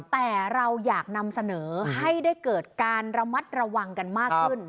แต่เราอยากนำเสนอให้ได้เกิดการระมัดระวังกันมากขึ้น